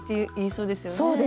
そうですね。